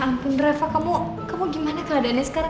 ya ampun reva kamu gimana keadaannya sekarang